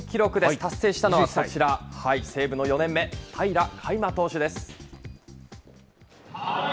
達成したのはこちら、西武の４年目、平良海馬投手です。